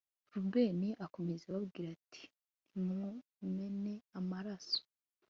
rubeni akomeza ababwira ati ntimumene amaraso